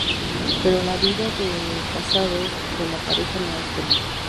Pero la vida de casados de la pareja no es feliz.